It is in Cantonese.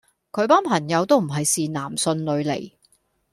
佢班朋友都唔係善男信女嚟